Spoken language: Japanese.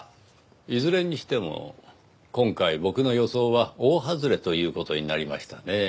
いずれにしても今回僕の予想は大ハズレという事になりましたねぇ。